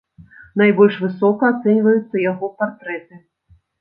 Найбольш высока ацэньваюцца яго партрэты.